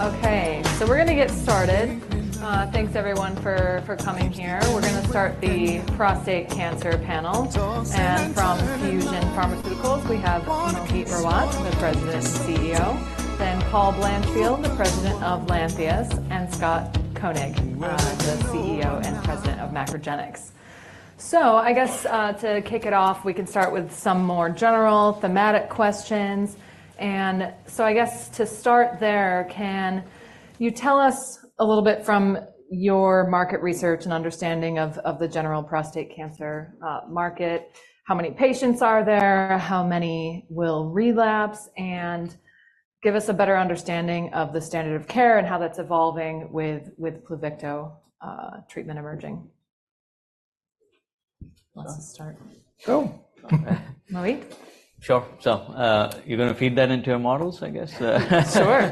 Okay, so we're going to get started. Thanks, everyone, for coming here. We're going to start the prostate cancer panel. And from Fusion Pharmaceuticals, we have Mohit Rawat, the president and CEO; then Paul Blanchfield, the president of Lantheus; and Scott Koenig, the CEO and president of MacroGenics. So I guess to kick it off, we can start with some more general thematic questions. And so I guess to start there, can you tell us a little bit from your market research and understanding of the general prostate cancer market, how many patients are there, how many will relapse, and give us a better understanding of the standard of care and how that's evolving with Pluvicto treatment emerging? Let's start. Go. Mohit? Sure. So you're going to feed that into your models, I guess? Sure.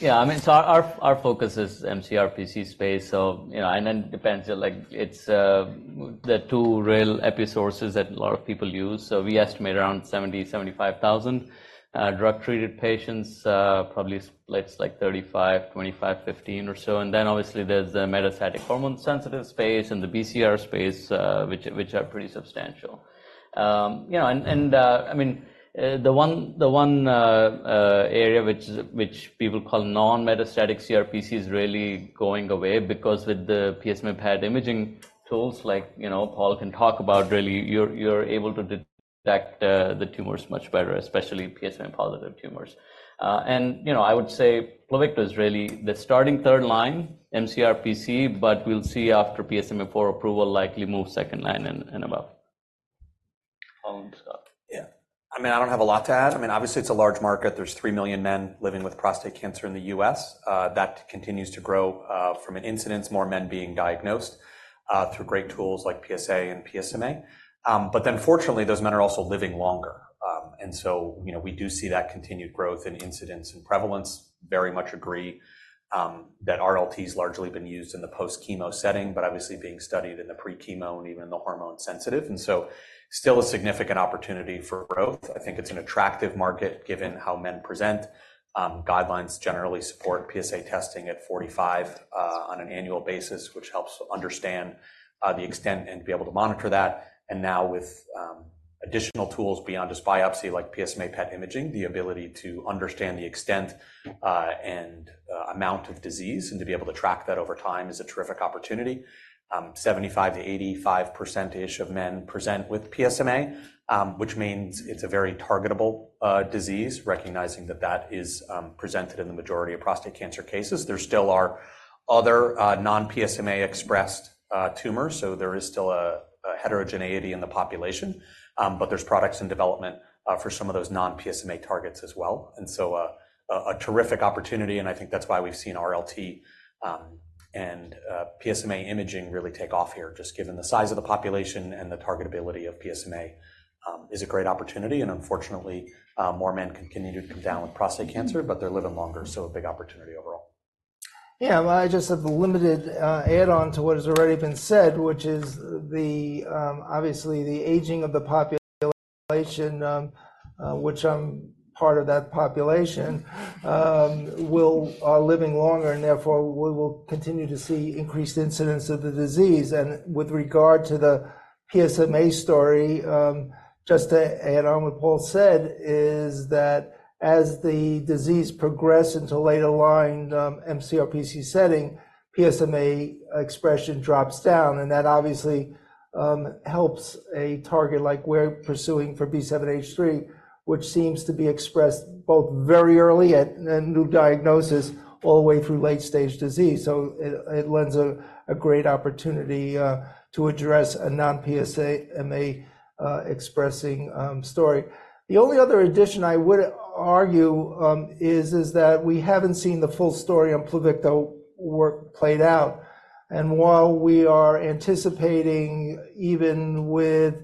Yeah, I mean, so our focus is mCRPC space, and then it depends. It's the two real epi sources that a lot of people use. So we estimate around 70,000-75,000 drug-treated patients, probably splits like 35,000-25,000-15,000 or so. And then obviously there's the metastatic hormone-sensitive space and the BCR space, which are pretty substantial. And I mean, the one area which people call non-metastatic CRPC is really going away because with the PSMA PET imaging tools, like Paul can talk about, really you're able to detect the tumors much better, especially PSMA-positive tumors. And I would say Pluvicto is really the starting third line, mCRPC, but we'll see after PSMAfore approval likely move second line and above. Paul and Scott. Yeah. I mean, I don't have a lot to add. I mean, obviously it's a large market. There's 3 million men living with prostate cancer in the U.S. That continues to grow from an incidence, more men being diagnosed through great tools like PSA and PSMA. But then fortunately, those men are also living longer. And so we do see that continued growth in incidence and prevalence. Very much agree that RLT has largely been used in the post-chemo setting, but obviously being studied in the pre-chemo and even in the hormone-sensitive. And so still a significant opportunity for growth. I think it's an attractive market given how men present. Guidelines generally support PSA testing at 45 on an annual basis, which helps understand the extent and be able to monitor that. And now with additional tools beyond just biopsy like PSMA PET imaging, the ability to understand the extent and amount of disease and to be able to track that over time is a terrific opportunity. 75%-85% of men present with PSMA, which means it's a very targetable disease, recognizing that that is presented in the majority of prostate cancer cases. There still are other non-PSMA-expressed tumors, so there is still a heterogeneity in the population. But there's products in development for some of those non-PSMA targets as well. And so a terrific opportunity, and I think that's why we've seen RLT and PSMA imaging really take off here, just given the size of the population and the targetability of PSMA is a great opportunity. And unfortunately, more men continue to come down with prostate cancer, but they're living longer, so a big opportunity overall. Yeah, well, I just have a limited add-on to what has already been said, which is obviously the aging of the population, which I'm part of that population, are living longer, and therefore we will continue to see increased incidence of the disease. And with regard to the PSMA story, just to add on what Paul said is that as the disease progresses into a later-line mCRPC setting, PSMA expression drops down. And that obviously helps a target like we're pursuing for B7-H3, which seems to be expressed both very early at a new diagnosis all the way through late-stage disease. So it lends a great opportunity to address a non-PSMA-expressing story. The only other addition I would argue is that we haven't seen the full story on Pluvicto work played out. While we are anticipating, even with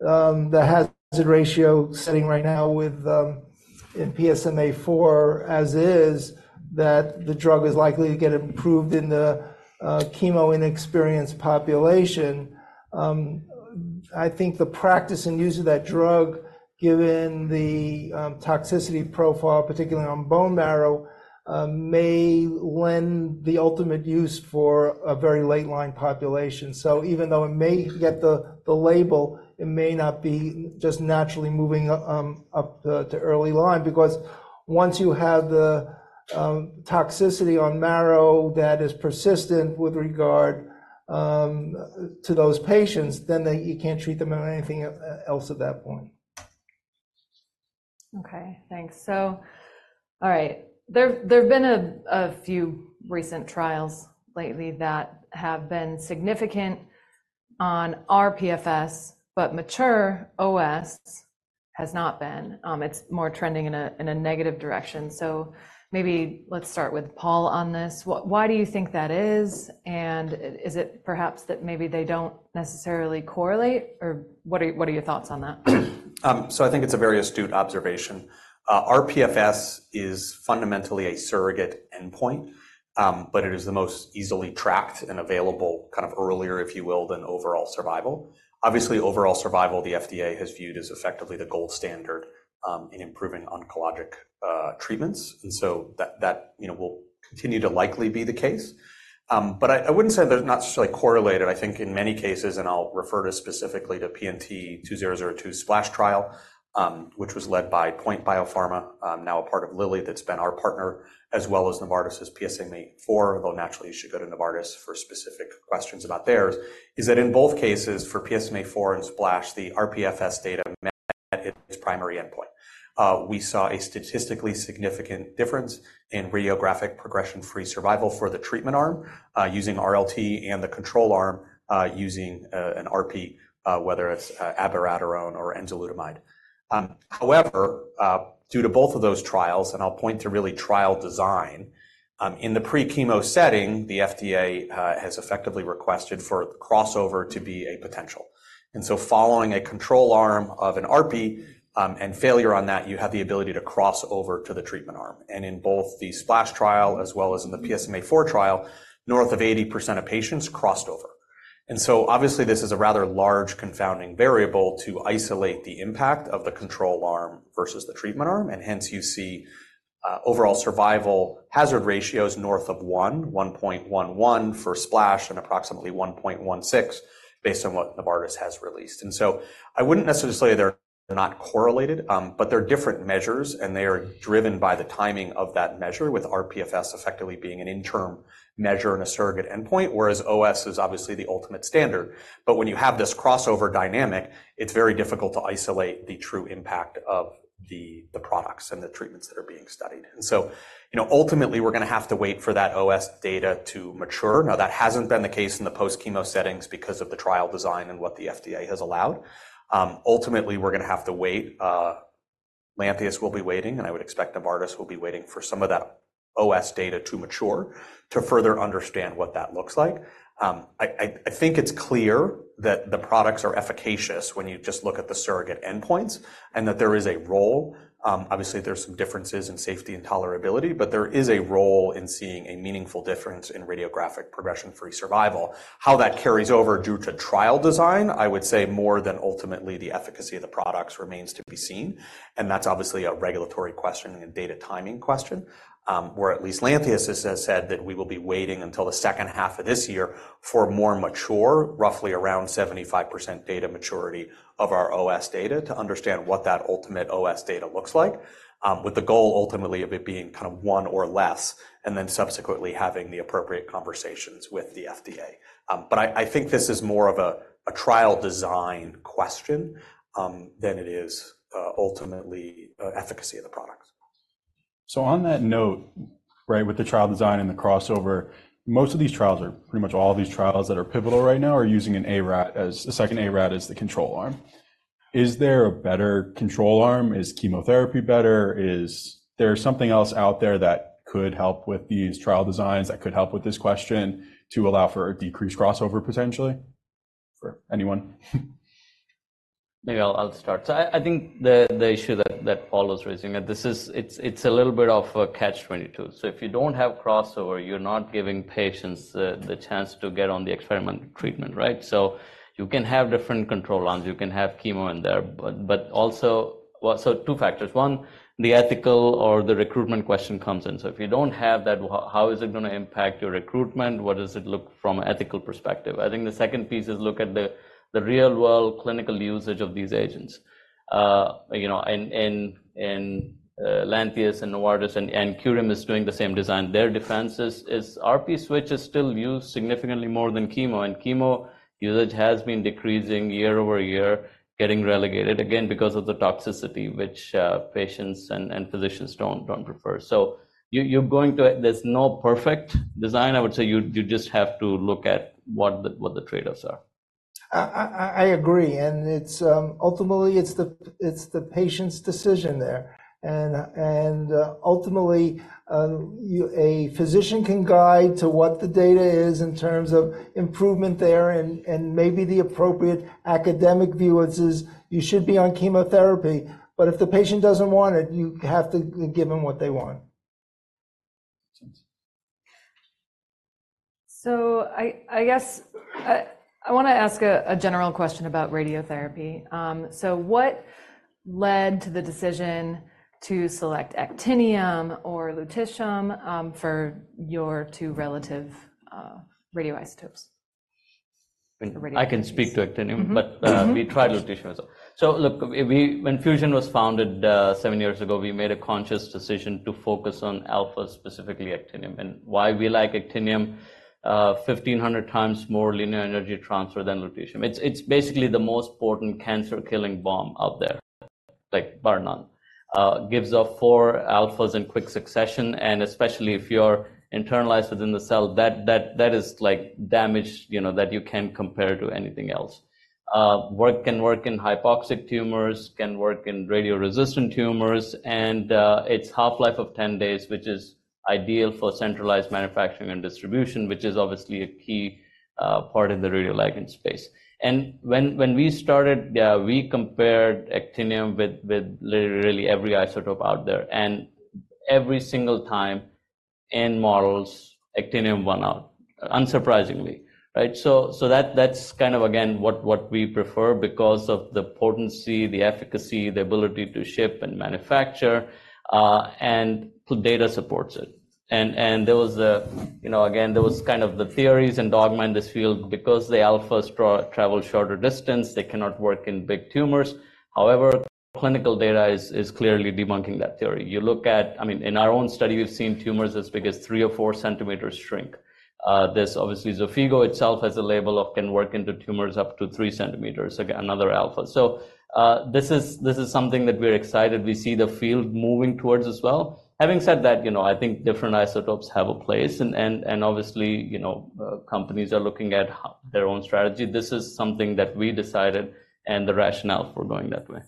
the hazard ratio setting right now in PSMAfore as is, that the drug is likely to get approved in the chemo-naïve population, I think the practice and use of that drug, given the toxicity profile, particularly on bone marrow, may lend the ultimate use for a very late-line population. Even though it may get the label, it may not be just naturally moving up to early line because once you have the toxicity on marrow that is persistent with regard to those patients, then you can't treat them on anything else at that point. Okay, thanks. So all right, there've been a few recent trials lately that have been significant on rPFS, but mature OS has not been. It's more trending in a negative direction. So maybe let's start with Paul on this. Why do you think that is? And is it perhaps that maybe they don't necessarily correlate, or what are your thoughts on that? So I think it's a very astute observation. rPFS is fundamentally a surrogate endpoint, but it is the most easily tracked and available kind of earlier, if you will, than overall survival. Obviously, overall survival, the FDA has viewed as effectively the gold standard in improving oncologic treatments. And so that will continue to likely be the case. But I wouldn't say they're not necessarily correlated. I think in many cases, and I'll refer to specifically to PNT2002 SPLASH trial, which was led by Point Biopharma, now a part of Lilly that's been our partner, as well as Novartis's PSMAfore, although naturally you should go to Novartis for specific questions about theirs, is that in both cases, for PSMAfore and SPLASH, the rPFS data met its primary endpoint. We saw a statistically significant difference in radiographic progression-free survival for the treatment arm using RLT and the control arm using an ARPI, whether it's abiraterone or enzalutamide. However, due to both of those trials, and I'll point to really trial design, in the pre-chemo setting, the FDA has effectively requested for the crossover to be a potential. And so following a control arm of an ARPI and failure on that, you have the ability to cross over to the treatment arm. And in both the SPLASH trial as well as in the PSMAfore trial, north of 80% of patients crossed over. And so obviously this is a rather large confounding variable to isolate the impact of the control arm versus the treatment arm. And hence you see overall survival hazard ratios north of 1, 1.11 for SPLASH and approximately 1.16 based on what Novartis has released. I wouldn't necessarily say they're not correlated, but they're different measures, and they are driven by the timing of that measure, with rPFS effectively being an interim measure and a surrogate endpoint, whereas OS is obviously the ultimate standard. When you have this crossover dynamic, it's very difficult to isolate the true impact of the products and the treatments that are being studied. Ultimately, we're going to have to wait for that OS data to mature. Now, that hasn't been the case in the post-chemo settings because of the trial design and what the FDA has allowed. Ultimately, we're going to have to wait. Lantheus will be waiting, and I would expect Novartis will be waiting for some of that OS data to mature to further understand what that looks like. I think it's clear that the products are efficacious when you just look at the surrogate endpoints and that there is a role. Obviously, there's some differences in safety and tolerability, but there is a role in seeing a meaningful difference in radiographic progression-free survival. How that carries over due to trial design, I would say more than ultimately the efficacy of the products remains to be seen. And that's obviously a regulatory question and a data timing question, where at least Lantheus has said that we will be waiting until the second half of this year for more mature, roughly around 75% data maturity of our OS data to understand what that ultimate OS data looks like, with the goal ultimately of it being kind of one or less, and then subsequently having the appropriate conversations with the FDA. But I think this is more of a trial design question than it is ultimately efficacy of the products. So on that note, right, with the trial design and the crossover, most of these trials, or pretty much all of these trials that are pivotal right now, are using a second ARPI as the control arm. Is there a better control arm? Is chemotherapy better? Is there something else out there that could help with these trial designs that could help with this question to allow for a decreased crossover potentially for anyone? Maybe I'll start. So I think the issue that Paul was raising, it's a little bit of a catch-22. So if you don't have crossover, you're not giving patients the chance to get on the experimental treatment, right? So you can have different control arms. You can have chemo in there. But also, so two factors. One, the ethical or the recruitment question comes in. So if you don't have that, how is it going to impact your recruitment? What does it look like from an ethical perspective? I think the second piece is look at the real-world clinical usage of these agents. And Lantheus and Novartis and Curium are doing the same design. Their defense is ARPI switches still use significantly more than chemo, and chemo usage has been decreasing year-over-year, getting relegated, again, because of the toxicity, which patients and physicians don't prefer. There's no perfect design. I would say you just have to look at what the trade-offs are. I agree. Ultimately, it's the patient's decision there. Ultimately, a physician can guide to what the data is in terms of improvement there and maybe the appropriate academic view is you should be on chemotherapy, but if the patient doesn't want it, you have to give them what they want. So I guess I want to ask a general question about radiotherapy. So what led to the decision to select Actinium or Lutetium for your two relative radioisotopes? I can speak to Actinium, but we tried Lutetium as well. So look, when Fusion was founded 7 years ago, we made a conscious decision to focus on alphas, specifically Actinium. And why we like Actinium? 1,500 times more linear energy transfer than Lutetium. It's basically the most potent cancer-killing bomb out there, like bar none. Gives off 4 alphas in quick succession. And especially if you're internalized within the cell, that is damage that you can't compare to anything else. Can work in hypoxic tumors, can work in radioresistant tumors. And its half-life of 10 days, which is ideal for centralized manufacturing and distribution, which is obviously a key part in the radioligand space. And when we started, we compared Actinium with literally every isotope out there. And every single time in models, Actinium won out, unsurprisingly, right? So that's kind of, again, what we prefer because of the potency, the efficacy, the ability to ship and manufacture, and data supports it. And again, there was kind of the theories and dogma in this field because the alphas travel shorter distance, they cannot work in big tumors. However, clinical data is clearly debunking that theory. I mean, in our own study, we've seen tumors as big as 3 or 4 centimeters shrink. Obviously, Xofigo itself has a label of can work into tumors up to 3 centimeters, another alpha. So this is something that we're excited we see the field moving towards as well. Having said that, I think different isotopes have a place. And obviously, companies are looking at their own strategy. This is something that we decided and the rationale for going that way.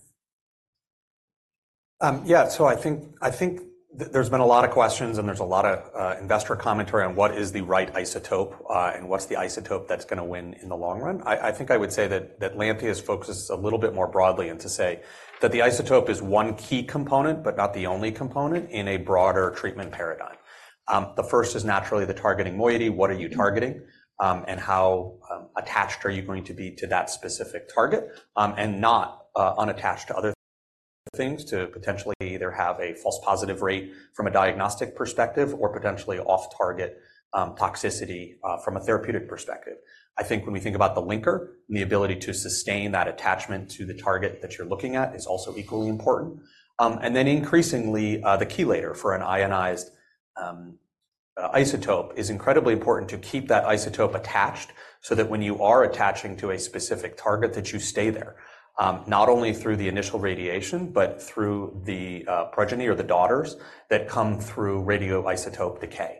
Yeah, so I think there's been a lot of questions, and there's a lot of investor commentary on what is the right isotope and what's the isotope that's going to win in the long run. I think I would say that Lantheus focuses a little bit more broadly and to say that the isotope is one key component, but not the only component in a broader treatment paradigm. The first is naturally the targeting moiety. What are you targeting? And how attached are you going to be to that specific target and not unattached to other things to potentially either have a false positive rate from a diagnostic perspective or potentially off-target toxicity from a therapeutic perspective? I think when we think about the linker and the ability to sustain that attachment to the target that you're looking at is also equally important. And then increasingly, the chelator for an ionized isotope is incredibly important to keep that isotope attached so that when you are attaching to a specific target, that you stay there, not only through the initial radiation, but through the progeny or the daughters that come through radioisotope decay.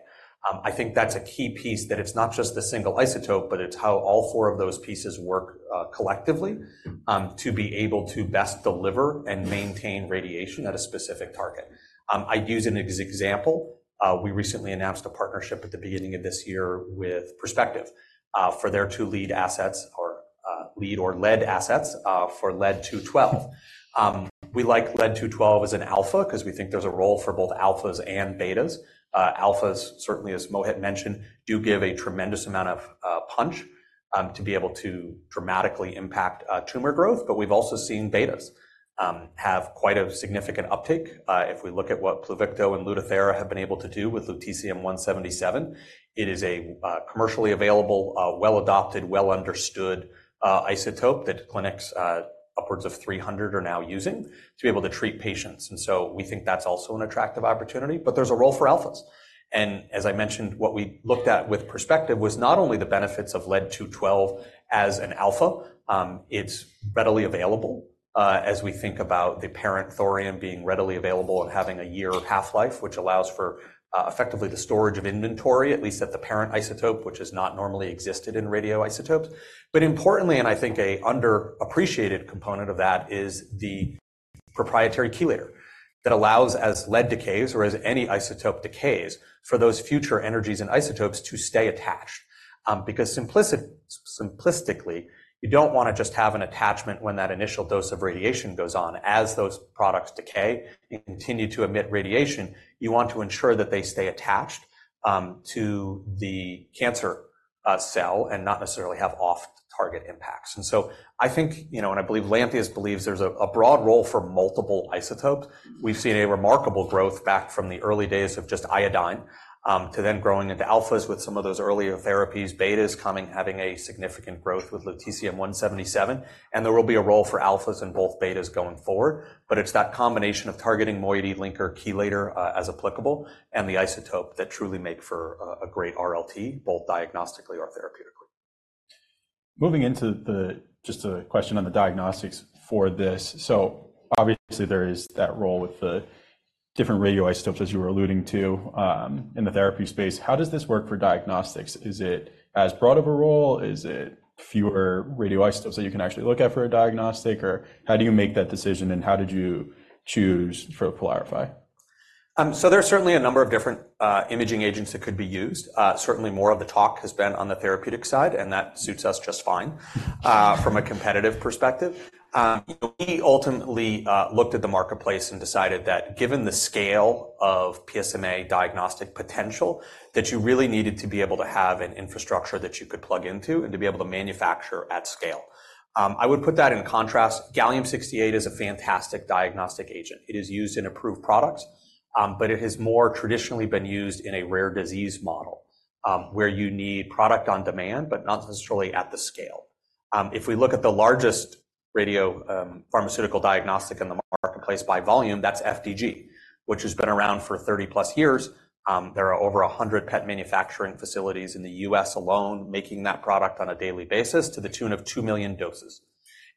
I think that's a key piece that it's not just the single isotope, but it's how all four of those pieces work collectively to be able to best deliver and maintain radiation at a specific target. I'd use an example. We recently announced a partnership at the beginning of this year with Perspective for their two lead assets for Lead-212. We like Lead-212 as an alpha because we think there's a role for both alphas and betas. Alphas, certainly, as Mohit mentioned, do give a tremendous amount of punch to be able to dramatically impact tumor growth. But we've also seen betas have quite a significant uptake. If we look at what Pluvicto and Lutathera have been able to do with Lutetium-177, it is a commercially available, well-adopted, well-understood isotope that clinics upwards of 300 are now using to be able to treat patients. And so we think that's also an attractive opportunity. But there's a role for alphas. And as I mentioned, what we looked at with Perspective was not only the benefits of Lead-212 as an alpha. It's readily available as we think about the parent thorium being readily available and having a one-year half-life, which allows for effectively the storage of inventory, at least at the parent isotope, which has not normally existed in radioisotopes. But importantly, and I think an underappreciated component of that is the proprietary chelator that allows, as lead decays or as any isotope decays, for those future energies and isotopes to stay attached. Because simplistically, you don't want to just have an attachment when that initial dose of radiation goes on. As those products decay and continue to emit radiation, you want to ensure that they stay attached to the cancer cell and not necessarily have off-target impacts. And so I think, and I believe Lantheus believes, there's a broad role for multiple isotopes. We've seen a remarkable growth back from the early days of just iodine to then growing into alphas with some of those earlier therapies, betas coming, having a significant growth with Lutetium-177. And there will be a role for alphas and both betas going forward. It's that combination of targeting moiety, linker, chelator as applicable, and the isotope that truly make for a great RLT, both diagnostically or therapeutically. Moving into just a question on the diagnostics for this. So obviously, there is that role with the different radioisotopes, as you were alluding to, in the therapy space. How does this work for diagnostics? Is it as broad of a role? Is it fewer radioisotopes that you can actually look at for a diagnostic? Or how do you make that decision, and how did you choose for PYLARIFY? There's certainly a number of different imaging agents that could be used. Certainly, more of the talk has been on the therapeutic side, and that suits us just fine from a competitive perspective. We ultimately looked at the marketplace and decided that given the scale of PSMA diagnostic potential, that you really needed to be able to have an infrastructure that you could plug into and to be able to manufacture at scale. I would put that in contrast. Gallium-68 is a fantastic diagnostic agent. It is used in approved products, but it has more traditionally been used in a rare disease model where you need product on demand, but not necessarily at the scale. If we look at the largest radiopharmaceutical diagnostic in the marketplace by volume, that's FDG, which has been around for 30+ years. There are over 100 PET manufacturing facilities in the U.S. alone making that product on a daily basis to the tune of 2 million doses.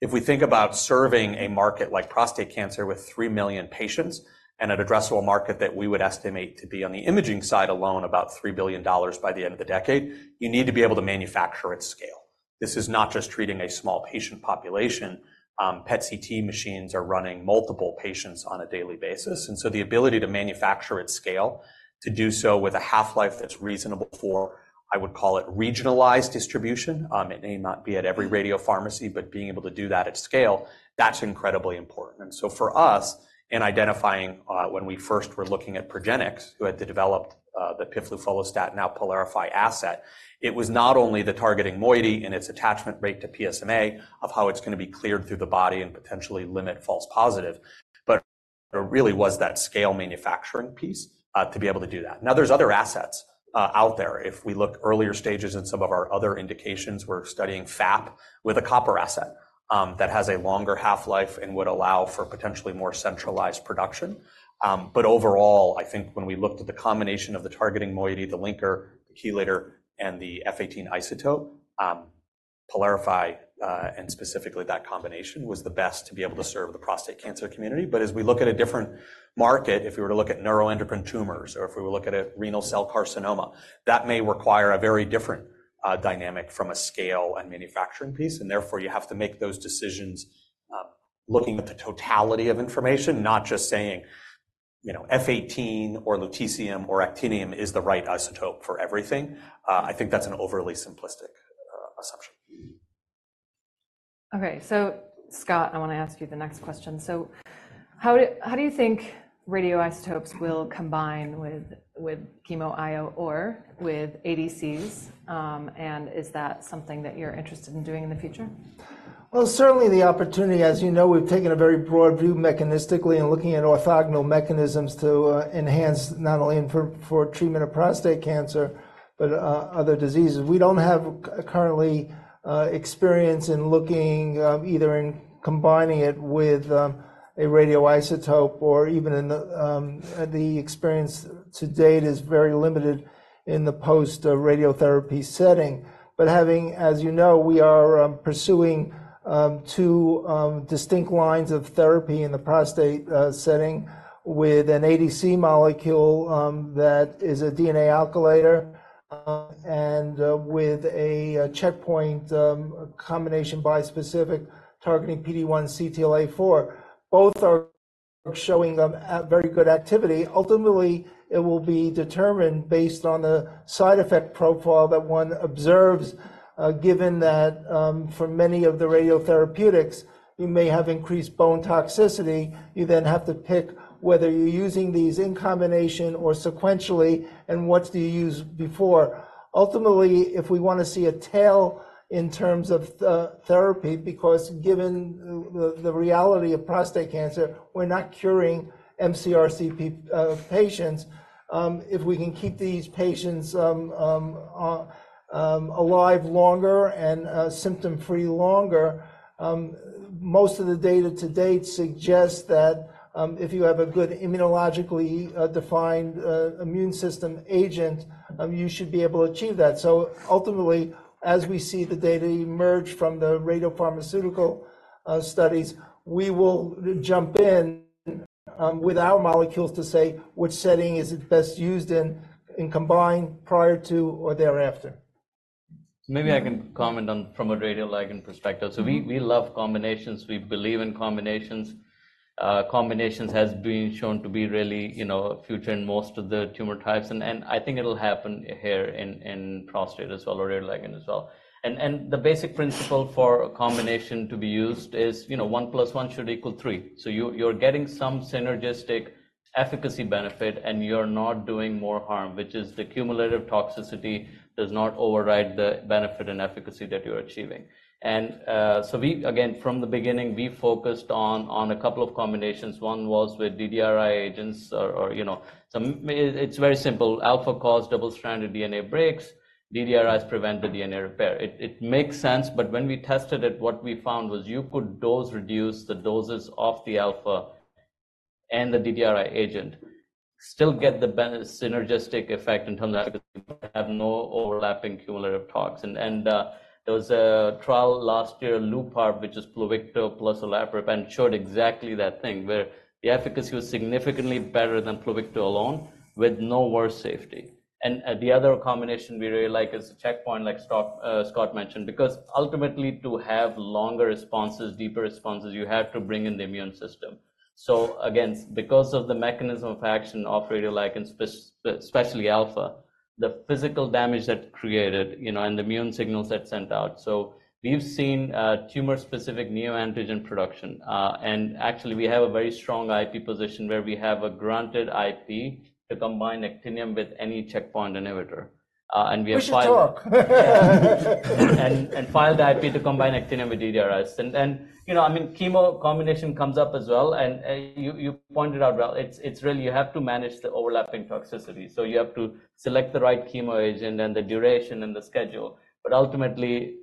If we think about serving a market like prostate cancer with 3 million patients and an addressable market that we would estimate to be on the imaging side alone about $3 billion by the end of the decade, you need to be able to manufacture at scale. This is not just treating a small patient population. PET/CT machines are running multiple patients on a daily basis. And so the ability to manufacture at scale, to do so with a half-life that's reasonable for, I would call it regionalized distribution. It may not be at every radio pharmacy, but being able to do that at scale, that's incredibly important. And so for us, in identifying when we first were looking at Progenics, who had developed the piflufolastat, and now PYLARIFY asset, it was not only the targeting moiety and its attachment rate to PSMA of how it's going to be cleared through the body and potentially limit false positive, but it really was that scale manufacturing piece to be able to do that. Now, there's other assets out there. If we look at earlier stages in some of our other indications, we're studying FAP with a copper asset that has a longer half-life and would allow for potentially more centralized production. But overall, I think when we looked at the combination of the targeting moiety, the linker, the chelator, and the F-18 isotope, PYLARIFY, and specifically that combination was the best to be able to serve the prostate cancer community. As we look at a different market, if we were to look at neuroendocrine tumors or if we were looking at renal cell carcinoma, that may require a very different dynamic from a scale and manufacturing piece. Therefore, you have to make those decisions looking at the totality of information, not just saying F-18 or Lutetium or Actinium is the right isotope for everything. I think that's an overly simplistic assumption. All right. So, Scott, I want to ask you the next question. So, how do you think radioisotopes will combine with chemo or with ADCs? And is that something that you're interested in doing in the future? Well, certainly, the opportunity, as you know, we've taken a very broad view mechanistically and looking at orthogonal mechanisms to enhance not only for treatment of prostate cancer, but other diseases. We don't have currently experience in looking either in combining it with a radioisotope or even in the experience to date is very limited in the post-radiotherapy setting. But as you know, we are pursuing two distinct lines of therapy in the prostate setting with an ADC molecule that is a DNA alkylator and with a checkpoint combination bispecific targeting PD-1 CTLA-4. Both are showing very good activity. Ultimately, it will be determined based on the side effect profile that one observes. Given that for many of the radiotherapeutics, you may have increased bone toxicity, you then have to pick whether you're using these in combination or sequentially, and what do you use before? Ultimately, if we want to see a tail in terms of therapy, because given the reality of prostate cancer, we're not curing mCRPC patients, if we can keep these patients alive longer and symptom-free longer, most of the data to date suggests that if you have a good immunologically defined immune system agent, you should be able to achieve that. So ultimately, as we see the data emerge from the radiopharmaceutical studies, we will jump in with our molecules to say which setting is it best used in, in combined, prior to, or thereafter. Maybe I can comment from a radioligand perspective. So we love combinations. We believe in combinations. Combinations have been shown to be really future in most of the tumor types. And I think it'll happen here in prostate as well or radioligand as well. And the basic principle for a combination to be used is 1 + 1 should equal 3. So you're getting some synergistic efficacy benefit, and you're not doing more harm, which is the cumulative toxicity does not override the benefit and efficacy that you're achieving. And so again, from the beginning, we focused on a couple of combinations. One was with DDRi agents or it's very simple. Alpha causes double-stranded DNA breaks. DDRis prevent the DNA repair. It makes sense. But when we tested it, what we found was you could dose-reduce the doses of the alpha and the DDRi agent, still get the synergistic effect in terms of efficacy. You have no overlapping cumulative tox. And there was a trial last year, LuPARP, which is Pluvicto plus olaparib, showed exactly that thing where the efficacy was significantly better than Pluvicto alone with no worse safety. And the other combination we really like is a checkpoint, like Scott mentioned, because ultimately, to have longer responses, deeper responses, you had to bring in the immune system. So again, because of the mechanism of action of radioligand, especially alpha, the physical damage that created and the immune signals that sent out. So we've seen tumor-specific neoantigen production. And actually, we have a very strong IP position where we have a granted IP to combine Actinium with any checkpoint inhibitor. We have filed. We should talk. Filed IP to combine actinium with DDRIs. And I mean, chemo combination comes up as well. And you pointed out, well, it's really you have to manage the overlapping toxicity. So you have to select the right chemo agent and the duration and the schedule. But ultimately,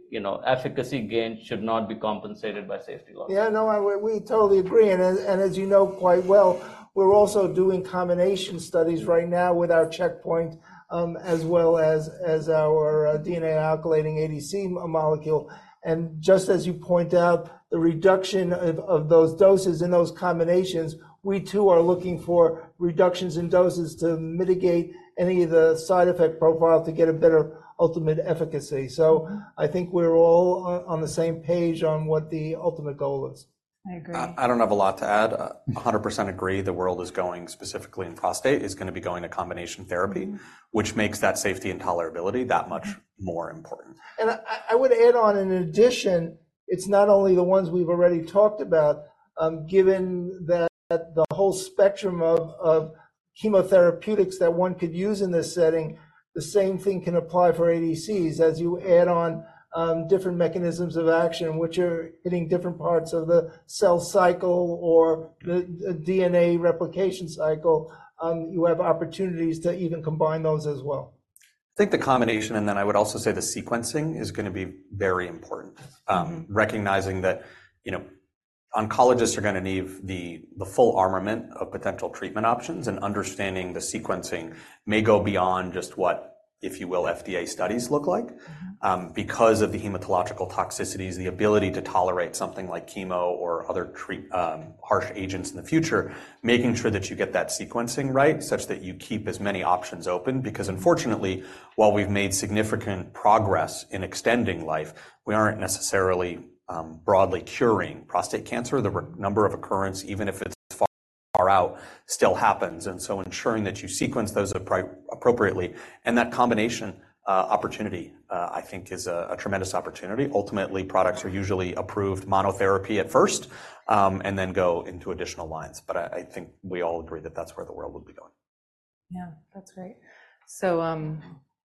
efficacy gain should not be compensated by safety loss. Yeah, no, we totally agree. And as you know quite well, we're also doing combination studies right now with our checkpoint as well as our DNA alkylating ADC molecule. And just as you point out, the reduction of those doses in those combinations, we too are looking for reductions in doses to mitigate any of the side effect profile to get a better ultimate efficacy. So I think we're all on the same page on what the ultimate goal is. I agree. I don't have a lot to add. 100% agree the world is going specifically in prostate is going to be going to combination therapy, which makes that safety and tolerability that much more important. I would add on, in addition, it's not only the ones we've already talked about. Given that the whole spectrum of chemotherapeutics that one could use in this setting, the same thing can apply for ADCs. As you add on different mechanisms of action, which are hitting different parts of the cell cycle or the DNA replication cycle, you have opportunities to even combine those as well. I think the combination, and then I would also say the sequencing, is going to be very important. Recognizing that oncologists are going to need the full armament of potential treatment options and understanding the sequencing may go beyond just what, if you will, FDA studies look like. Because of the hematological toxicities, the ability to tolerate something like chemo or other harsh agents in the future, making sure that you get that sequencing right such that you keep as many options open. Because unfortunately, while we've made significant progress in extending life, we aren't necessarily broadly curing prostate cancer. The number of recurrence, even if it's far out, still happens. And so ensuring that you sequence those appropriately. And that combination opportunity, I think, is a tremendous opportunity. Ultimately, products are usually approved monotherapy at first and then go into additional lines. But I think we all agree that that's where the world would be going. Yeah, that's great. So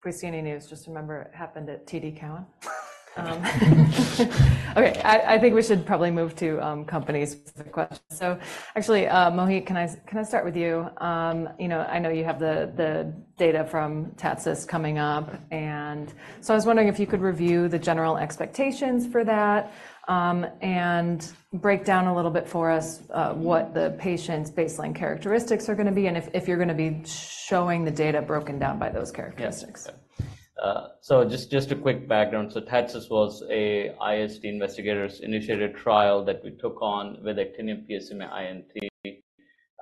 Precision Oncology News, just remember it happened at TD Cowen. Okay, I think we should probably move to companies with the questions. So actually, Mohit, can I start with you? I know you have the data from TATCIST coming up. And so I was wondering if you could review the general expectations for that and break down a little bit for us what the patient's baseline characteristics are going to be and if you're going to be showing the data broken down by those characteristics. Just a quick background. TATCIST was an investigator-initiated trial that we took on with Actinium PSMA-I&T.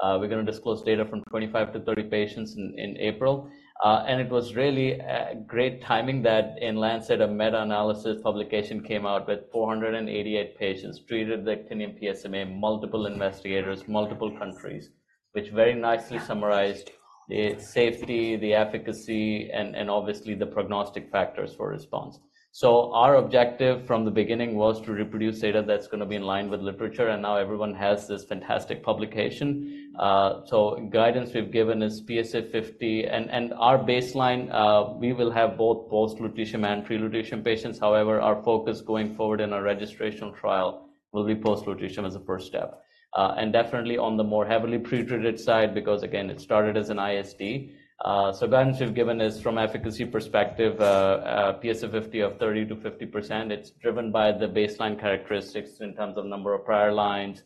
We're going to disclose data from 25-30 patients in April. It was really great timing that in The Lancet, a meta-analysis publication came out with 488 patients treated with Actinium PSMA-I&T, multiple investigators, multiple countries, which very nicely summarized the safety, the efficacy, and obviously the prognostic factors for response. Our objective from the beginning was to reproduce data that's going to be in line with literature. Now everyone has this fantastic publication. Guidance we've given is PSA50. Our baseline, we will have both post-lutetium and pre-lutetium patients. However, our focus going forward in our registration trial will be post-lutetium as a first step. Definitely on the more heavily pretreated side because again, it started as an investigator-initiated trial. So guidance we've given is from efficacy perspective, PSA50 of 30%-50%. It's driven by the baseline characteristics in terms of number of prior lines,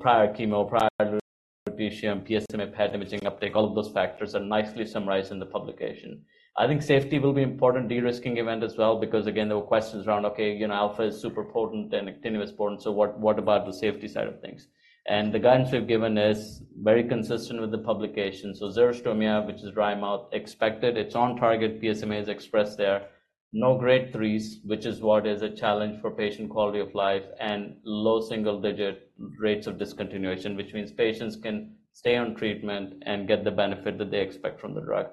prior chemo, prior lutetium, PSMA PET imaging uptake. All of those factors are nicely summarized in the publication. I think safety will be an important de-risking event as well because again, there were questions around, okay, alpha is super potent and Actinium is potent. So what about the safety side of things? And the guidance we've given is very consistent with the publication. So xerostomia, which is dry mouth, expected. It's on target. PSMA is expressed there. No grade threes, which is a challenge for patient quality of life and low single-digit rates of discontinuation, which means patients can stay on treatment and get the benefit that they expect from the drug.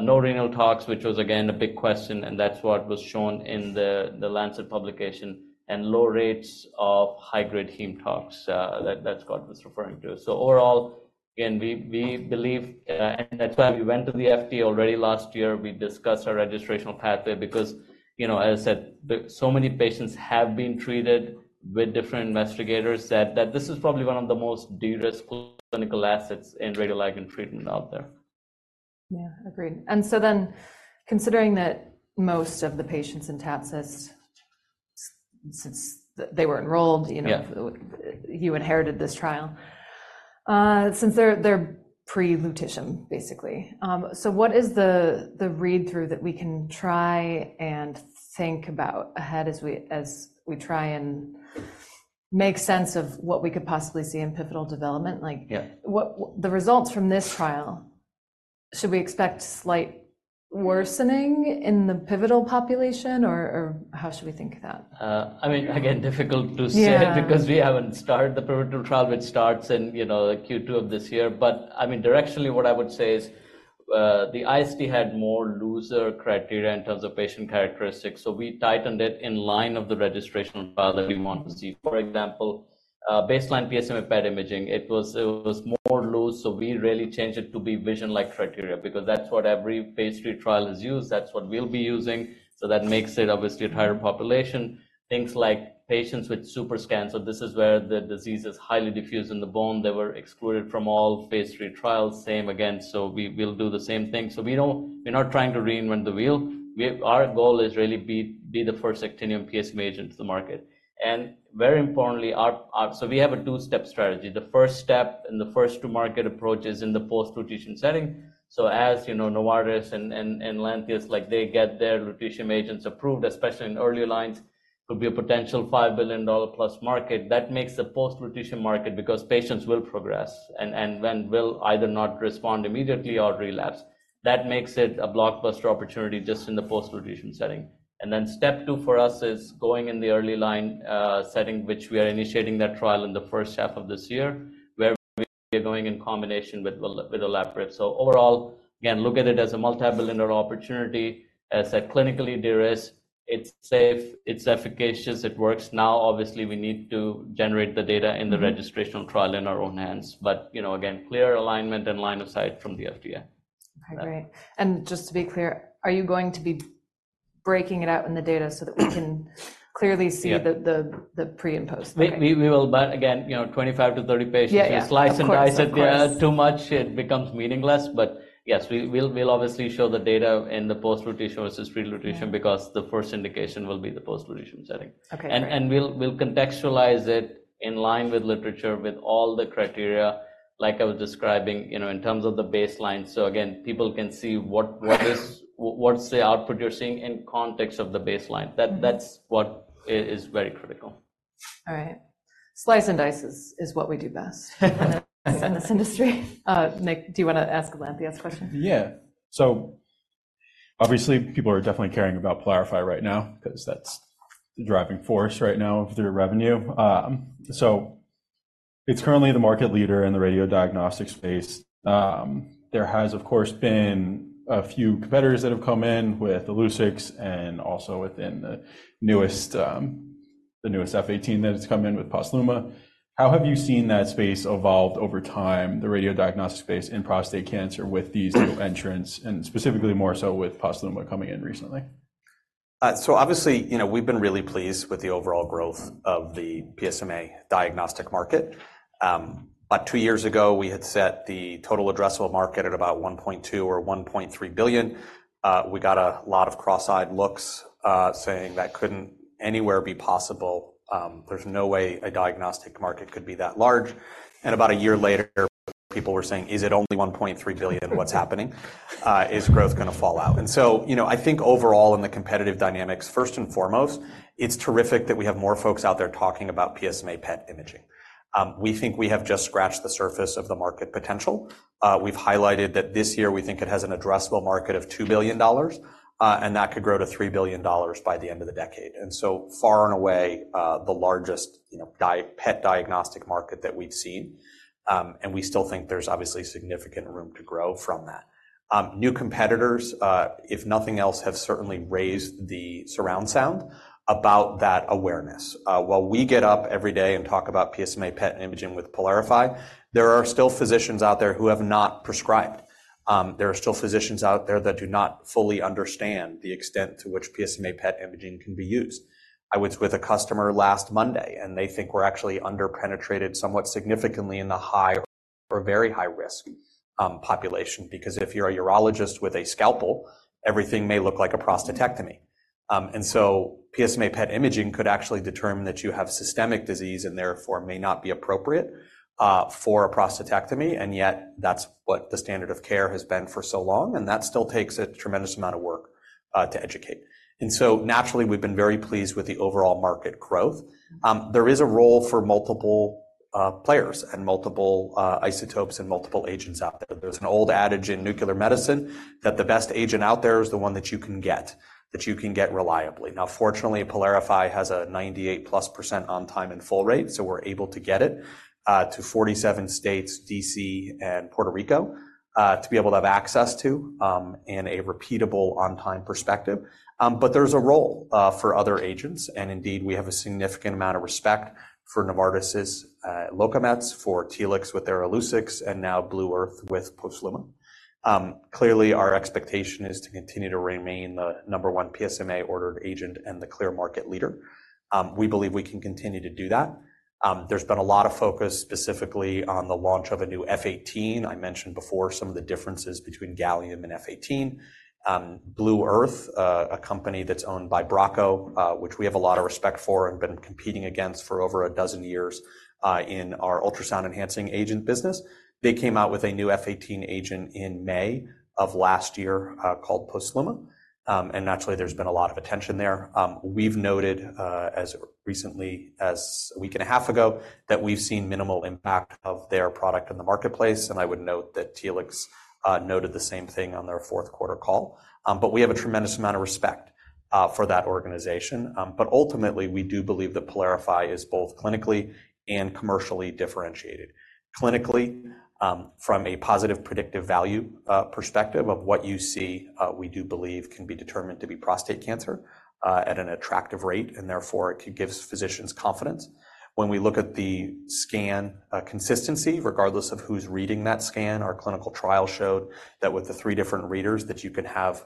No renal tox, which was again a big question. And that's what was shown in the Lantheus publication and low rates of high-grade heme tox that Scott was referring to. So overall, again, we believe and that's why we went to the FDA already last year. We discussed our registration pathway because, as I said, so many patients have been treated with different investigators that this is probably one of the most de-risk clinical assets in radioligand treatment out there. Yeah, agreed. So then considering that most of the patients in TATCIST, since they were enrolled, you inherited this trial, since they're pre-lutetium, basically. So what is the read-through that we can try and think about ahead as we try and make sense of what we could possibly see in pivotal development? The results from this trial, should we expect slight worsening in the pivotal population, or how should we think of that? I mean, again, difficult to say because we haven't started the pivotal trial. It starts in Q2 of this year. But I mean, directionally, what I would say is the ISD had more looser criteria in terms of patient characteristics. So we tightened it in line of the registration trial that we wanted to see. For example, baseline PSMA PET imaging, it was more loose. So we really changed it to be Vision-like criteria because that's what every phase 3 trial has used. That's what we'll be using. So that makes it obviously a tighter population. Things like patients with superscans. So this is where the disease is highly diffuse in the bone. They were excluded from all phase 3 trials. Same again. So we'll do the same thing. So we're not trying to reinvent the wheel. Our goal is really to be the first actinium PSMA agent to the market. Very importantly, so we have a two-step strategy. The first step in the first two market approaches in the post-lutetium setting. So as Novartis and Lantheus, they get their lutetium agents approved, especially in early lines, could be a potential $5 billion-plus market. That makes the post-lutetium market because patients will progress and will either not respond immediately or relapse. That makes it a blockbuster opportunity just in the post-lutetium setting. And then step two for us is going in the early line setting, which we are initiating that trial in the first half of this year where we are going in combination with olaparib. So overall, again, look at it as a multi-billion opportunity. As I said, clinically de-risk. It's safe. It's efficacious. It works. Now, obviously, we need to generate the data in the registration trial in our own hands. But again, clear alignment and line of sight from the FDA. Okay, great. Just to be clear, are you going to be breaking it out in the data so that we can clearly see the pre and post? We will. But again, 25-30 patients, we slice and dice it. Too much, it becomes meaningless. But yes, we'll obviously show the data in the post-lutetium versus pre-lutetium because the first indication will be the post-lutetium setting. And we'll contextualize it in line with literature, with all the criteria like I was describing in terms of the baseline. So again, people can see what's the output you're seeing in context of the baseline. That's what is very critical. All right. Slice and dice is what we do best in this industry. Nick, do you want to ask Lantheus a question? Yeah. So obviously, people are definitely caring about PYLARIFY right now because that's the driving force right now of their revenue. So it's currently the market leader in the radiodiagnostic space. There has, of course, been a few competitors that have come in with Illuccix and also within the newest F-18 that has come in with Posluma. How have you seen that space evolve over time, the radiodiagnostic space in prostate cancer with these new entrants and specifically more so with Posluma coming in recently? So obviously, we've been really pleased with the overall growth of the PSMA diagnostic market. About two years ago, we had set the total addressable market at about $1.2-$1.3 billion. We got a lot of cross-eyed looks saying that couldn't anywhere be possible. There's no way a diagnostic market could be that large. And about a year later, people were saying, "Is it only $1.3 billion? What's happening? Is growth going to fall out?" And so I think overall, in the competitive dynamics, first and foremost, it's terrific that we have more folks out there talking about PSMA PET imaging. We think we have just scratched the surface of the market potential. We've highlighted that this year, we think it has an addressable market of $2 billion, and that could grow to $3 billion by the end of the decade. And so far and away, the largest PET diagnostic market that we've seen. And we still think there's obviously significant room to grow from that. New competitors, if nothing else, have certainly raised the surround sound about that awareness. While we get up every day and talk about PSMA PET imaging with PYLARIFY, there are still physicians out there who have not prescribed. There are still physicians out there that do not fully understand the extent to which PSMA PET imaging can be used. I was with a customer last Monday, and they think we're actually under-penetrated somewhat significantly in the high or very high-risk population because if you're a urologist with a scalpel, everything may look like a prostatectomy. And so PSMA PET imaging could actually determine that you have systemic disease and therefore may not be appropriate for a prostatectomy. And yet, that's what the standard of care has been for so long. And that still takes a tremendous amount of work to educate. And so naturally, we've been very pleased with the overall market growth. There is a role for multiple players and multiple isotopes and multiple agents out there. There's an old adage in nuclear medicine that the best agent out there is the one that you can get, that you can get reliably. Now, fortunately, PYLARIFY has a 98%+ on-time and full rate. So we're able to get it to 47 states, D.C., and Puerto Rico to be able to have access to in a repeatable on-time perspective. But there's a role for other agents. And indeed, we have a significant amount of respect for Novartis' Locametz, for Telix with their Illuccix, and now Blue Earth with Posluma. Clearly, our expectation is to continue to remain the number one PSMA-ordered agent and the clear market leader. We believe we can continue to do that. There's been a lot of focus specifically on the launch of a new F-18. I mentioned before some of the differences between Gallium and F-18. Blue Earth, a company that's owned by Bracco, which we have a lot of respect for and been competing against for over a dozen years in our ultrasound-enhancing agent business, they came out with a new F-18 agent in May of last year called Posluma. And naturally, there's been a lot of attention there. We've noted as recently as a week and a half ago that we've seen minimal impact of their product in the marketplace. And I would note that Telix noted the same thing on their fourth-quarter call. But we have a tremendous amount of respect for that organization. But ultimately, we do believe that PYLARIFY is both clinically and commercially differentiated. Clinically, from a positive predictive value perspective of what you see, we do believe can be determined to be prostate cancer at an attractive rate. And therefore, it gives physicians confidence. When we look at the scan consistency, regardless of who's reading that scan, our clinical trial showed that with the three different readers, that you can have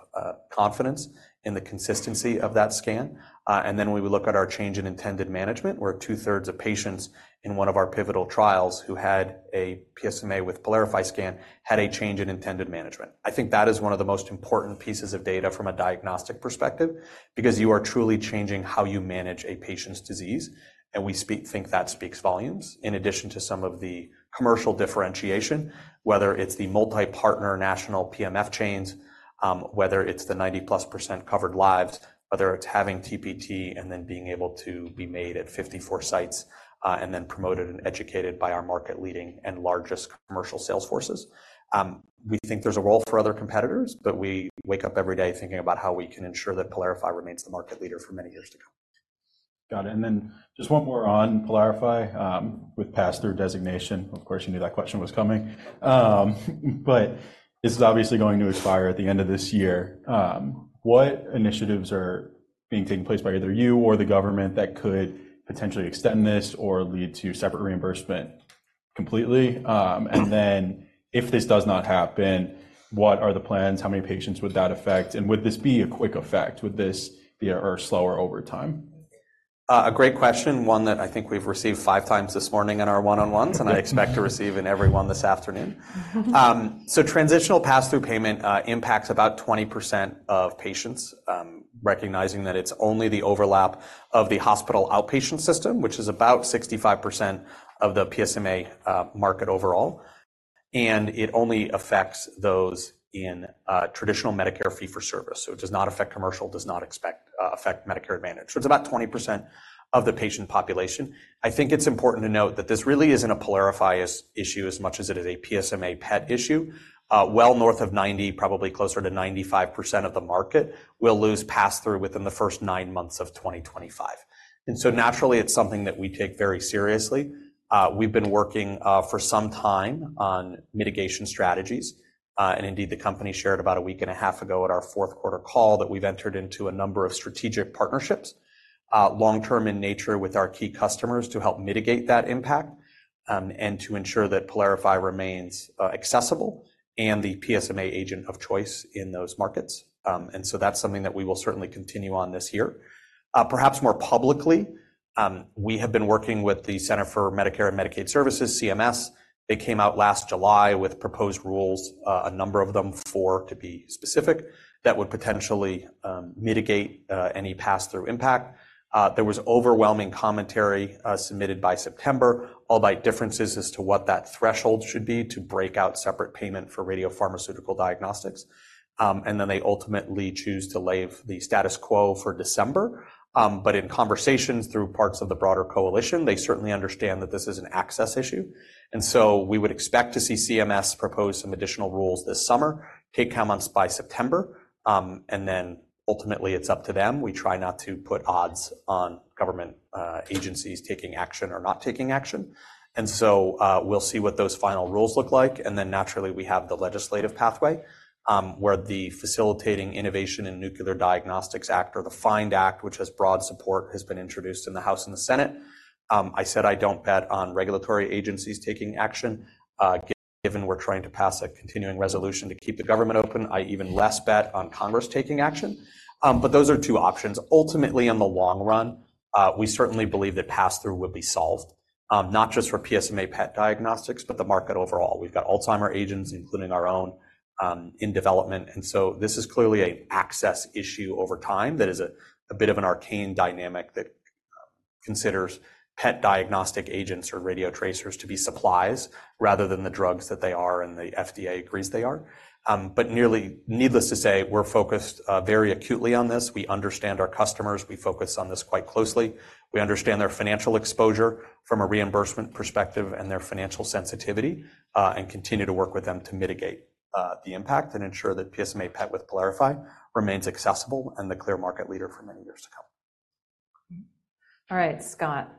confidence in the consistency of that scan. And then when we look at our change in intended management, where two-thirds of patients in one of our pivotal trials who had a PSMA with PYLARIFY scan had a change in intended management. I think that is one of the most important pieces of data from a diagnostic perspective because you are truly changing how you manage a patient's disease. We think that speaks volumes in addition to some of the commercial differentiation, whether it's the multi-partner national PMF chains, whether it's the 90%+ covered lives, whether it's having TPT and then being able to be made at 54 sites and then promoted and educated by our market-leading and largest commercial sales forces. We think there's a role for other competitors, but we wake up every day thinking about how we can ensure that PYLARIFY remains the market leader for many years to come. Got it. And then just one more on PYLARIFY with pass-through designation. Of course, you knew that question was coming. But this is obviously going to expire at the end of this year. What initiatives are being taken place by either you or the government that could potentially extend this or lead to separate reimbursement completely? And then if this does not happen, what are the plans? How many patients would that affect? And would this be a quick effect? Would this be a slower overtime? A great question, one that I think we've received five times this morning in our one-on-ones, and I expect to receive in every one this afternoon. So transitional pass-through payment impacts about 20% of patients, recognizing that it's only the overlap of the hospital outpatient system, which is about 65% of the PSMA market overall. And it only affects those in traditional Medicare fee-for-service. So it does not affect commercial, does not affect Medicare Advantage. So it's about 20% of the patient population. I think it's important to note that this really isn't a PYLARIFY issue as much as it is a PSMA PET issue. Well north of 90, probably closer to 95% of the market will lose pass-through within the first nine months of 2025. And so naturally, it's something that we take very seriously. We've been working for some time on mitigation strategies. Indeed, the company shared about a week and a half ago at our fourth-quarter call that we've entered into a number of strategic partnerships, long-term in nature with our key customers to help mitigate that impact and to ensure that PYLARIFY remains accessible and the PSMA agent of choice in those markets. So that's something that we will certainly continue on this year. Perhaps more publicly, we have been working with the Centers for Medicare & Medicaid Services, CMS. They came out last July with proposed rules, a number of them, 4 to be specific, that would potentially mitigate any pass-through impact. There was overwhelming commentary submitted by September, albeit differences as to what that threshold should be to break out separate payment for radiopharmaceutical diagnostics. Then they ultimately choose to leave the status quo for December. But in conversations through parts of the broader coalition, they certainly understand that this is an access issue. And so we would expect to see CMS propose some additional rules this summer, take comments by September. And then ultimately, it's up to them. We try not to put odds on government agencies taking action or not taking action. And so we'll see what those final rules look like. And then naturally, we have the legislative pathway where the Facilitating Innovation in Nuclear Diagnostics Act or the FIND Act, which has broad support, has been introduced in the House and the Senate. I said I don't bet on regulatory agencies taking action. Given we're trying to pass a continuing resolution to keep the government open, I even less bet on Congress taking action. But those are two options. Ultimately, in the long run, we certainly believe that pass-through would be solved, not just for PSMA PET diagnostics, but the market overall. We've got Alzheimer's agents, including our own, in development. And so this is clearly an access issue over time that is a bit of an arcane dynamic that considers PET diagnostic agents or radiotracers to be supplies rather than the drugs that they are and the FDA agrees they are. But needless to say, we're focused very acutely on this. We understand our customers. We focus on this quite closely. We understand their financial exposure from a reimbursement perspective and their financial sensitivity and continue to work with them to mitigate the impact and ensure that PSMA PET with PYLARIFY remains accessible and the clear market leader for many years to come. All right, Scott.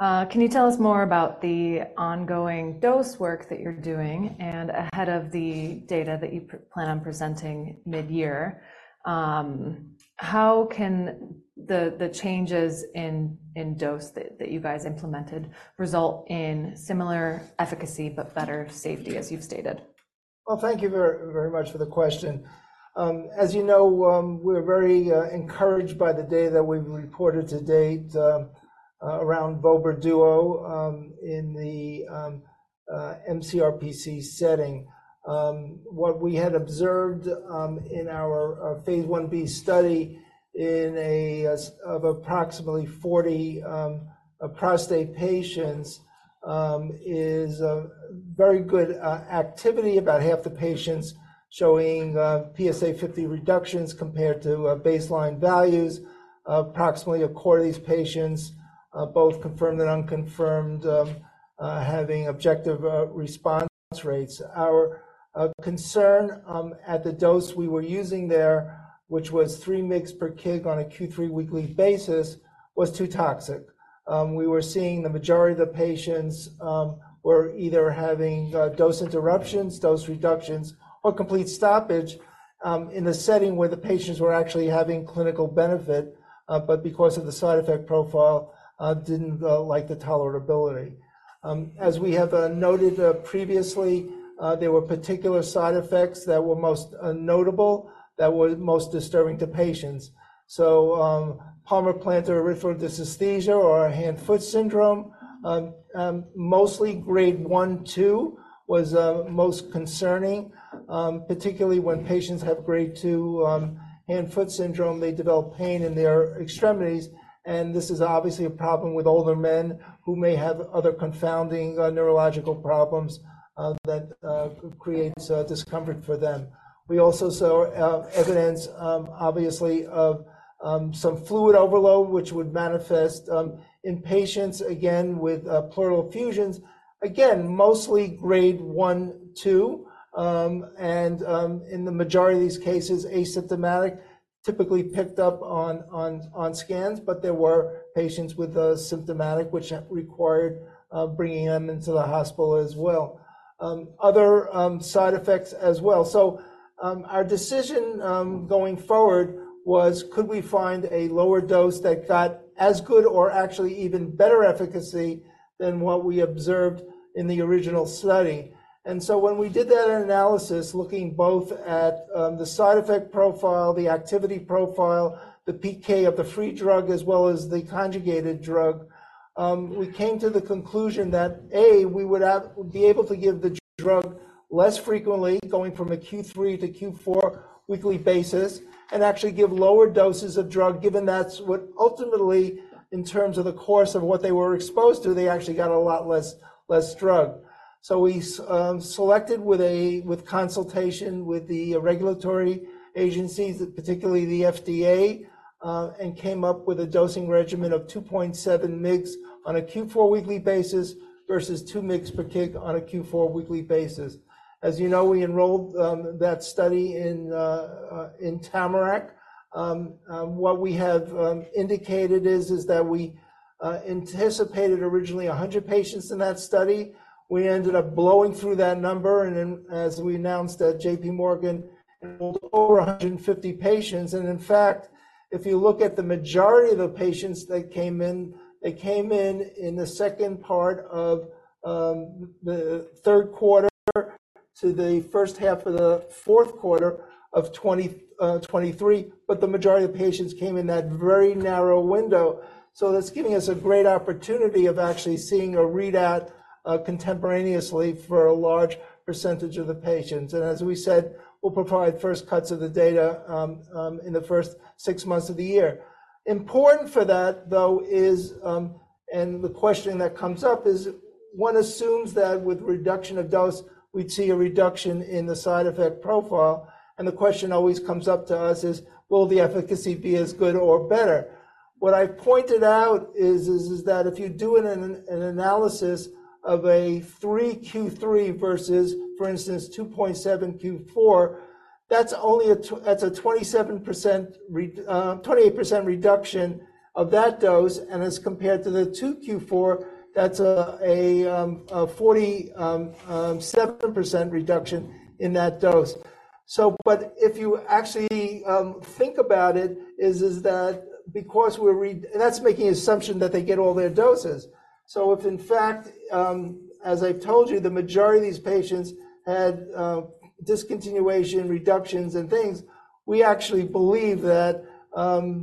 Can you tell us more about the ongoing dose work that you're doing and ahead of the data that you plan on presenting mid-year? How can the changes in dose that you guys implemented result in similar efficacy but better safety, as you've stated? Well, thank you very much for the question. As you know, we're very encouraged by the data that we've reported to date around Vobra Duo in the mCRPC setting. What we had observed in our phase 1b study of approximately 40 prostate patients is very good activity, about half the patients showing PSA50 reductions compared to baseline values. Approximately a quarter of these patients, both confirmed and unconfirmed, having objective response rates. Our concern at the dose we were using there, which was 3 mg per kg on a Q3 weekly basis, was too toxic. We were seeing the majority of the patients were either having dose interruptions, dose reductions, or complete stoppage in the setting where the patients were actually having clinical benefit, but because of the side effect profile, didn't like the tolerability. As we have noted previously, there were particular side effects that were most notable that were most disturbing to patients. So palmar-plantar erythrodysesthesia or hand-foot syndrome, mostly grade 1-2, was most concerning, particularly when patients have grade 2 hand-foot syndrome. They develop pain in their extremities. This is obviously a problem with older men who may have other confounding neurological problems that creates discomfort for them. We also saw evidence, obviously, of some fluid overload, which would manifest in patients, again, with pleural effusions, again, mostly grade 1-2 and in the majority of these cases, asymptomatic, typically picked up on scans. But there were patients with symptomatic, which required bringing them into the hospital as well, other side effects as well. So our decision going forward was, could we find a lower dose that got as good or actually even better efficacy than what we observed in the original study? And so when we did that analysis, looking both at the side effect profile, the activity profile, the PK of the free drug, as well as the conjugated drug, we came to the conclusion that, A, we would be able to give the drug less frequently, going from a Q3 to Q4 weekly basis, and actually give lower doses of drug, given that's what ultimately, in terms of the course of what they were exposed to, they actually got a lot less drug. So we selected with consultation with the regulatory agencies, particularly the FDA, and came up with a dosing regimen of 2.7 mg/kg on a Q4 weekly basis versus 2 mg/kg on a Q4 weekly basis. As you know, we enrolled that study in TAMARACK. What we have indicated is that we anticipated originally 100 patients in that study. We ended up blowing through that number. As we announced at J.P. Morgan, over 150 patients. In fact, if you look at the majority of the patients that came in, they came in in the second part of the third quarter to the first half of the fourth quarter of 2023. But the majority of patients came in that very narrow window. That's giving us a great opportunity of actually seeing a readout contemporaneously for a large percentage of the patients. As we said, we'll provide first cuts of the data in the first 6 months of the year. Important for that, though, is, and the question that comes up is, one assumes that with reduction of dose, we'd see a reduction in the side effect profile. The question always comes up to us is, will the efficacy be as good or better? What I pointed out is that if you do an analysis of a 3 Q3 versus, for instance, 2.7 Q4, that's only a 27%-28% reduction of that dose. And as compared to the 2 Q4, that's a 47% reduction in that dose. So but if you actually think about it, is that because that's making the assumption that they get all their doses. So if in fact, as I've told you, the majority of these patients had discontinuation, reductions, and things, we actually believe that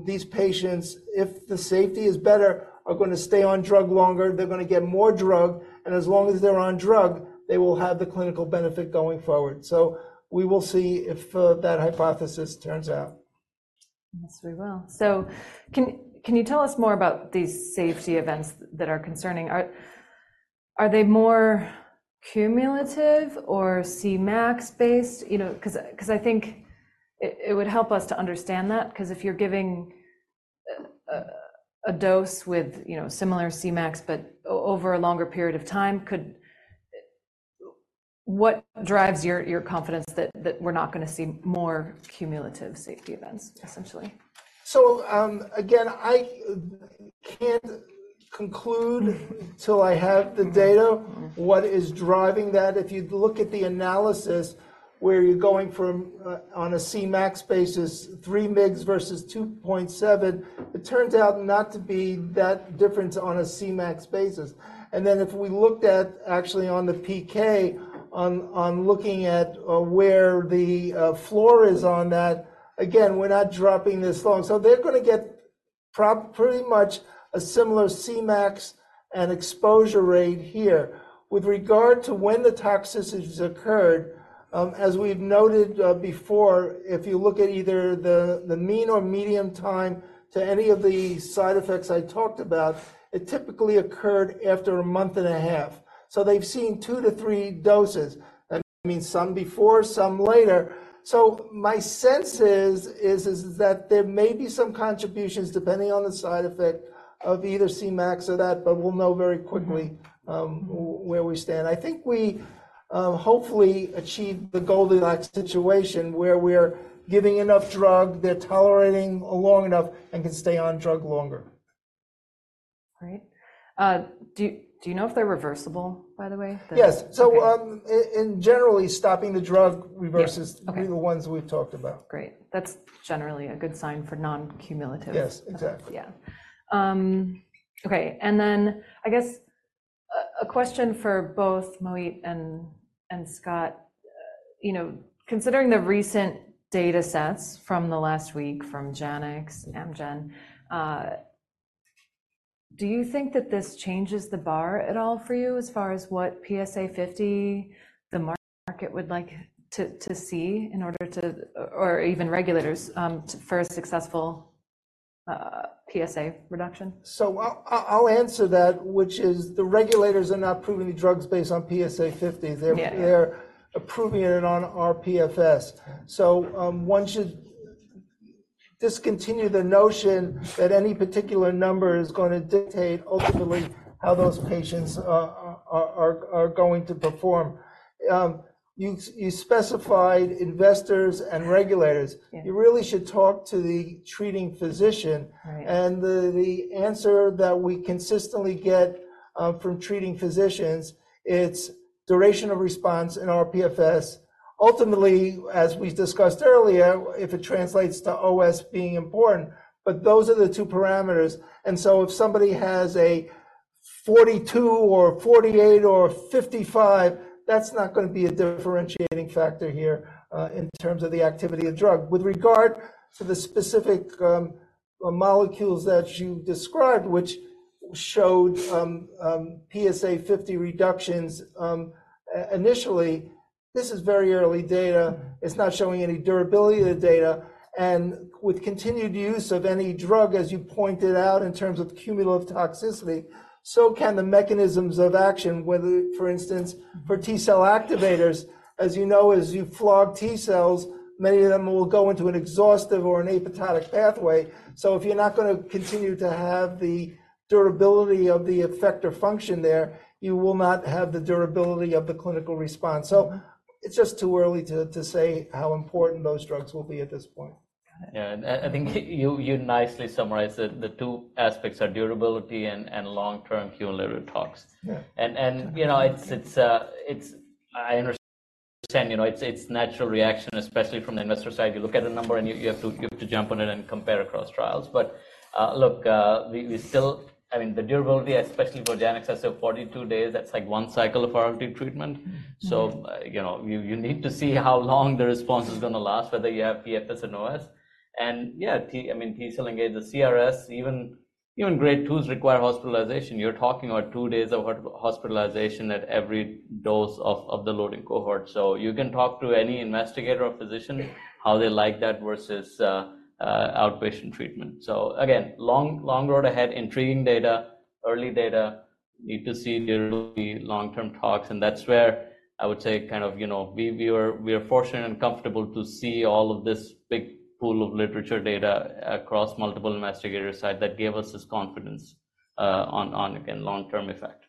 these patients, if the safety is better, are going to stay on drug longer. They're going to get more drug. As long as they're on drug, they will have the clinical benefit going forward. We will see if that hypothesis turns out. Yes, we will. Can you tell us more about these safety events that are concerning? Are they more cumulative or Cmax-based? Because I think it would help us to understand that. Because if you're giving a dose with similar Cmax, but over a longer period of time, what drives your confidence that we're not going to see more cumulative safety events, essentially? So again, I can't conclude until I have the data what is driving that. If you look at the analysis where you're going from on a Cmax basis, 3 mgs versus 2.7, it turns out not to be that difference on a Cmax basis. And then if we looked at actually on the PK, on looking at where the floor is on that, again, we're not dropping this low. So they're going to get pretty much a similar Cmax and exposure rate here. With regard to when the toxicities occurred, as we've noted before, if you look at either the mean or median time to any of the side effects I talked about, it typically occurred after a month and a half. So they've seen 2 to 3 doses. That means some before, some later. So my sense is that there may be some contributions depending on the side effect of either Cmax or that, but we'll know very quickly where we stand. I think we hopefully achieved the Goldilocks situation where we're giving enough drug, they're tolerating long enough, and can stay on drug longer. Great. Do you know if they're reversible, by the way? Yes. So in general, stopping the drug reverses the ones we've talked about. Great. That's generally a good sign for non-cumulative. Yes, exactly. Yeah. Okay. Then I guess a question for both Mohit and Scott. Considering the recent data sets from the last week from Janux, Amgen, do you think that this changes the bar at all for you as far as what PSA50 the market would like to see in order to or even regulators for a successful PSA reduction? So I'll answer that, which is the regulators are not approving the drugs based on PSA50. They're approving it on rPFS. So one should discontinue the notion that any particular number is going to dictate ultimately how those patients are going to perform. You specified investors and regulators. You really should talk to the treating physician. The answer that we consistently get from treating physicians, it's duration of response in rPFS. Ultimately, as we discussed earlier, if it translates to OS being important, but those are the two parameters. So if somebody has a 42 or 48 or 55, that's not going to be a differentiating factor here in terms of the activity of drug. With regard to the specific molecules that you described, which showed PSA50 reductions initially, this is very early data. It's not showing any durability of the data. With continued use of any drug, as you pointed out, in terms of cumulative toxicity, so can the mechanisms of action, whether, for instance, for T-cell activators, as you know, as you flog T-cells, many of them will go into an exhaustive or an apathetic pathway. So if you're not going to continue to have the durability of the effect or function there, you will not have the durability of the clinical response. So it's just too early to say how important those drugs will be at this point. Yeah. I think you nicely summarized that the two aspects are durability and long-term cumulative tox. I understand it's a natural reaction, especially from the investor side. You look at a number and you have to jump on it and compare across trials. But look, we still, I mean, the durability, especially for Janux, has to have 42 days. That's like one cycle of RLT treatment. So you need to see how long the response is going to last, whether you have PFS and OS. Yeah, I mean, T-cell engagers, CRS, even grade 2s require hospitalization. You're talking about two days of hospitalization at every dose of the loading cohort. So you can talk to any investigator or physician how they like that versus outpatient treatment. So again, long road ahead, intriguing data, early data, need to see long-term tox. That's where I would say kind of we are fortunate and comfortable to see all of this big pool of literature data across multiple investigators' sides that gave us this confidence on, again, long-term effect.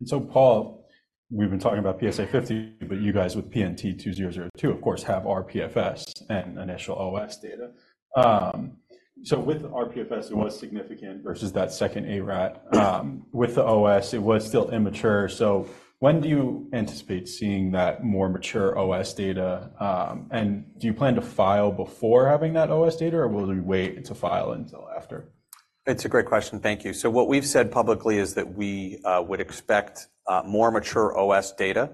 And so Paul, we've been talking about PSA50, but you guys with PNT2002, of course, have rPFS and initial OS data. So with rPFS, it was significant versus that second ARAT. With the OS, it was still immature. So when do you anticipate seeing that more mature OS data? And do you plan to file before having that OS data, or will we wait to file until after? It's a great question. Thank you. So what we've said publicly is that we would expect more mature OS data,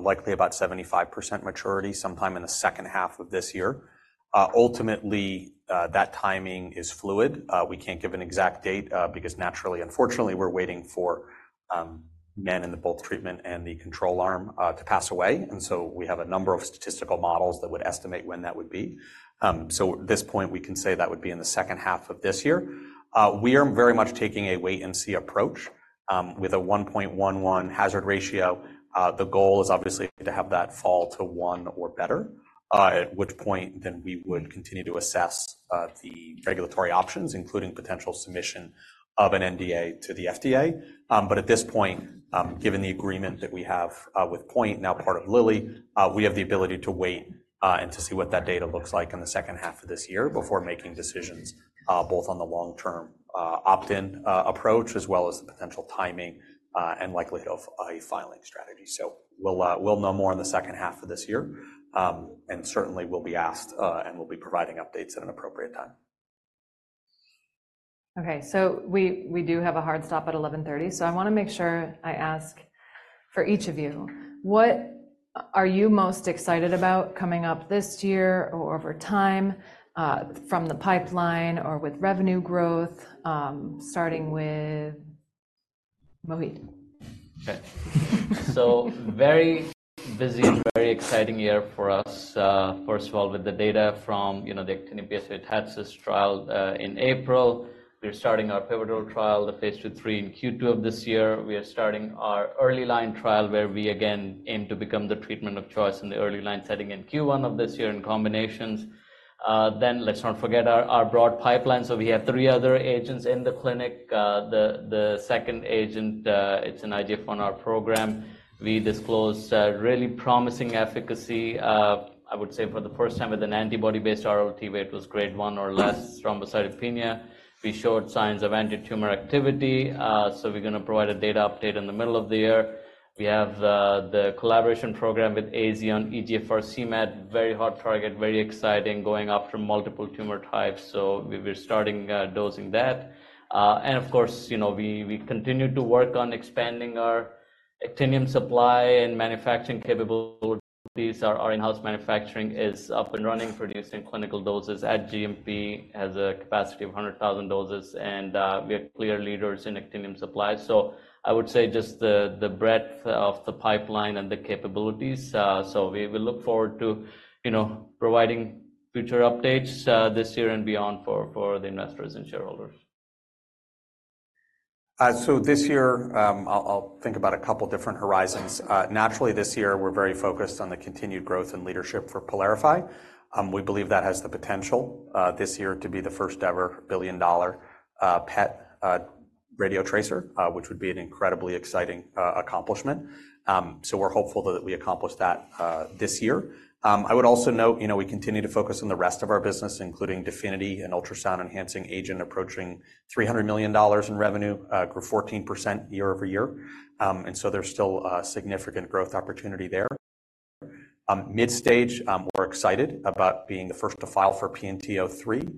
likely about 75% maturity sometime in the second half of this year. Ultimately, that timing is fluid. We can't give an exact date because naturally, unfortunately, we're waiting for men in the both treatment and the control arm to pass away. And so we have a number of statistical models that would estimate when that would be. So at this point, we can say that would be in the second half of this year. We are very much taking a wait-and-see approach with a 1.11 hazard ratio. The goal is obviously to have that fall to one or better, at which point then we would continue to assess the regulatory options, including potential submission of an NDA to the FDA. At this point, given the agreement that we have with Point, now part of Lilly, we have the ability to wait and to see what that data looks like in the second half of this year before making decisions both on the long-term opt-in approach as well as the potential timing and likelihood of a filing strategy. We'll know more in the second half of this year. Certainly, we'll be asked and we'll be providing updates at an appropriate time. Okay. So we do have a hard stop at 11:30 A.M. So I want to make sure I ask for each of you, what are you most excited about coming up this year or over time from the pipeline or with revenue growth, starting with Mohit? Okay. So very busy and very exciting year for us, first of all, with the data from the Actinium PSMA TATCIST trial in April. We're starting our pivotal trial, the phase 2/3 in Q2 of this year. We are starting our early line trial where we, again, aim to become the treatment of choice in the early line setting in Q1 of this year in combinations. Then let's not forget our broad pipeline. So we have three other agents in the clinic. The second agent, it's an IGF-1R from our program. We disclosed really promising efficacy, I would say, for the first time with an antibody-based RLT, where it was grade 1 or less thrombocytopenia. We showed signs of anti-tumor activity. So we're going to provide a data update in the middle of the year. We have the collaboration program with AZ on EGFR-cMET, very hot target, very exciting, going after multiple tumor types. So we're starting dosing that. And of course, we continue to work on expanding our Actinium supply and manufacturing capabilities. Our in-house manufacturing is up and running, producing clinical doses at GMP at a capacity of 100,000 doses. And we are clear leaders in Actinium supply. So I would say just the breadth of the pipeline and the capabilities. So we will look forward to providing future updates this year and beyond for the investors and shareholders. So this year, I'll think about a couple of different horizons. Naturally, this year, we're very focused on the continued growth and leadership for PYLARIFY. We believe that has the potential this year to be the first-ever billion-dollar PET radiotracer, which would be an incredibly exciting accomplishment. So we're hopeful that we accomplish that this year. I would also note we continue to focus on the rest of our business, including DEFINITY, an ultrasound-enhancing agent approaching $300 million in revenue, grew 14% year-over-year. And so there's still significant growth opportunity there. Midstage, we're excited about being the first to file for PNT2003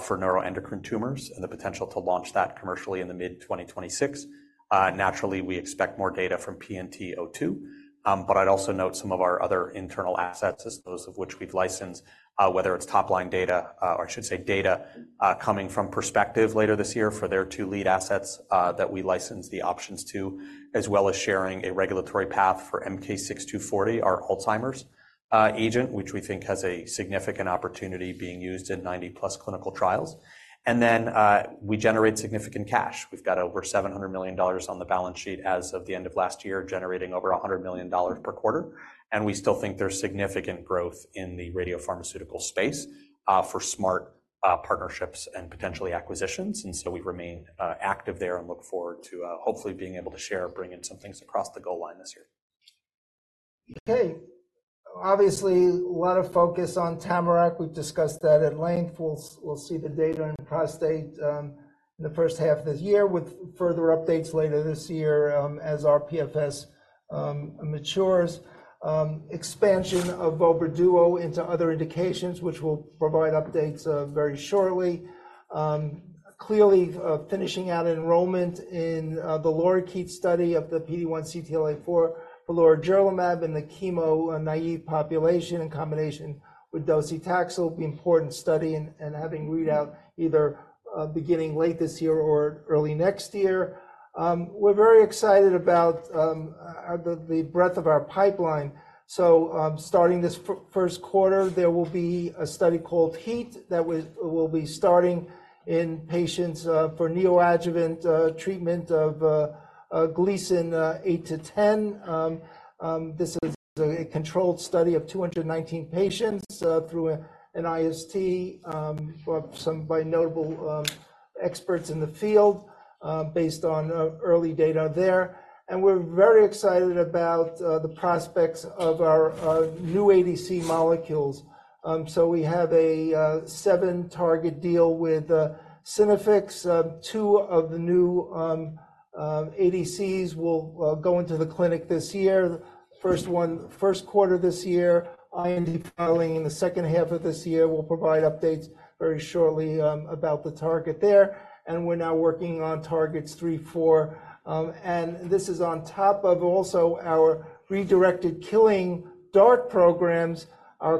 for neuroendocrine tumors and the potential to launch that commercially in the mid-2026. Naturally, we expect more data from PNT2002. But I'd also note some of our other internal assets, those of which we've licensed, whether it's top-line data or I should say data coming from Perspective Therapeutics later this year for their two lead assets that we license the options to, as well as sharing a regulatory path for MK-6240, our Alzheimer's agent, which we think has a significant opportunity being used in 90-plus clinical trials. And then we generate significant cash. We've got over $700 million on the balance sheet as of the end of last year, generating over $100 million per quarter. And we still think there's significant growth in the radiopharmaceutical space for smart partnerships and potentially acquisitions. And so we remain active there and look forward to hopefully being able to share, bring in some things across the goal line this year. Okay. Obviously, a lot of focus on TAMARACK. We've discussed that at length. We'll see the data in prostate in the first half of this year with further updates later this year as rPFS matures. Expansion of Vobra Duo into other indications, which we'll provide updates very shortly. Clearly, finishing out enrollment in the LORIKEET study of the PD-1 CTLA-4 for lorigerlimab in the chemo-naïve population in combination with docetaxel will be an important study and having readout either beginning late this year or early next year. We're very excited about the breadth of our pipeline. So starting this first quarter, there will be a study called HEAT that will be starting in patients for neoadjuvant treatment of Gleason 8-10. This is a controlled study of 219 patients through an IST by notable experts in the field based on early data there. We're very excited about the prospects of our new ADC molecules. We have a 7-target deal with Synaffix. Two of the new ADCs will go into the clinic this year, first quarter this year. IND filing in the second half of this year. We'll provide updates very shortly about the target there. We're now working on targets 3, 4. This is on top of also our redirected killing DART programs, our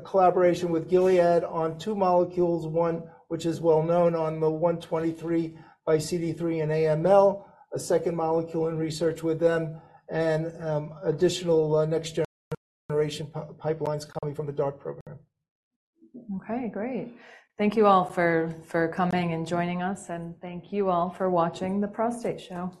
collaboration with Gilead on two molecules, one which is well known on the CD123 x CD3 and AML, a second molecule in research with them, and additional next-generation pipelines coming from the DART program. Okay. Great. Thank you all for coming and joining us. Thank you all for watching the Prostate Show.